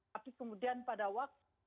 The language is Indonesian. tapi kemudian pada waktu